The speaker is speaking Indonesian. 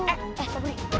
eh pak budi